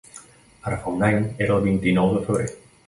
Ara fa un any era el vint-i-nou de febrer.